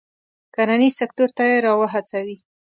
کرنیز سکتور ته یې را و هڅوي.